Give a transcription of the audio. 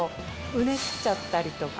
うねっちゃったりとか。